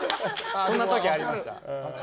そんな時ありました。